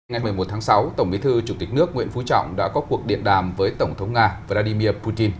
ngày một mươi một tháng sáu tổng bí thư chủ tịch nước nguyễn phú trọng đã có cuộc điện đàm với tổng thống nga vladimir putin